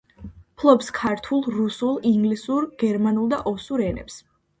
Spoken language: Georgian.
ფლობს ქართულ, რუსულ, ინგლისურ, გერმანულ და ოსურ ენებს.